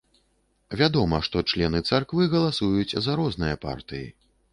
Вядома, што члены царквы галасуюць за розныя партыі.